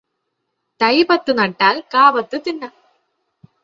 തൈ പത്തു നട്ടാൽ കാ പത്തു തിന്നാം